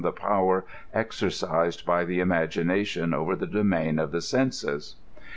55 the power exercised by the imaginatioa over the domain of the senses.